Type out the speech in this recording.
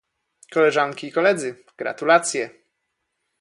Koleżanki i Koledzy, gratulacje!